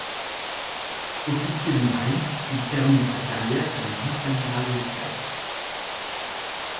Officier de marine, il termine sa carrière comme vice-amiral d'escadre.